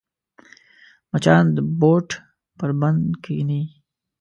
مچان د بوټ پر بند کښېني